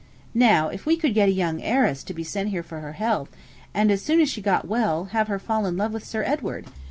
Now, if we could get a young heiress to be sent here for her health, and, as soon as she got well, have her fall in love with Sir Edward!